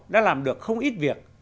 đã làm được không ít việc